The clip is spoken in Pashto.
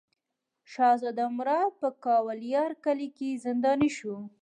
شهزاده مراد په ګوالیار کلا کې زنداني شو.